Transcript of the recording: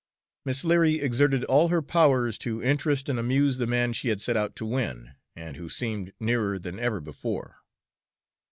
Miss Leary exerted all her powers to interest and amuse the man she had set out to win, and who seemed nearer than ever before.